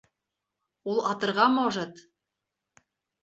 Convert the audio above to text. Ул атырға может!